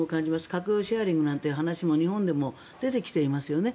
核シェアリングなんて話が日本でも出てきていますよね。